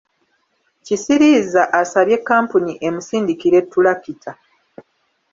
Kisiriiza asabye kkampuni emusindikire tulakita.